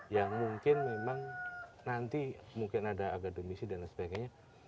yang mungkin memang nanti mungkin ada agademisi dan sebagainya